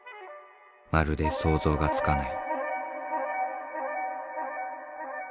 まるで想像がつかない。